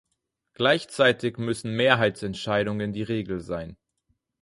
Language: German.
Gleichzeitig müssen Mehrheitsentscheidungen die Regel sein.